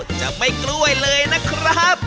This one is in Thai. ช่วงหน้าแล้วจะไม่กล้วยเลยนะครับ